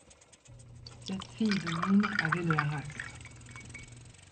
Cette fille de l’ombre avait de la race.